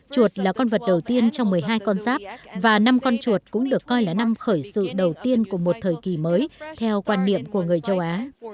chuột là con vật đầu tiên trong một mươi hai con giáp và năm con chuột cũng được coi là năm khởi sự đầu tiên của một thời kỳ mới theo quan niệm của người châu á